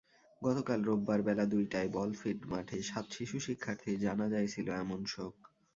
গতকাল রোববার বেলা দুইটায় বলফিল্ড মাঠে সাত শিশু শিক্ষার্থীর জানাজায় ছিল এমন শোক।